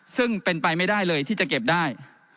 ซึ่งเป็นไปไม่ได้เลยที่จะเก็บได้